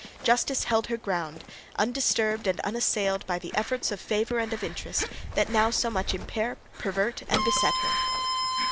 Justice held her ground, undisturbed and unassailed by the efforts of favour and of interest, that now so much impair, pervert, and beset her.